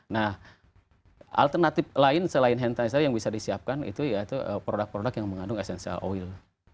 nah alternatif lain selain hand sanitizer yang bisa disiapkan itu yaitu produk produk yang mengandung essential oil